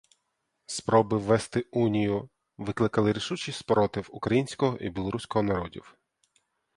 Спроби ввести унію викликали рішучий спротив українського і білоруського народів.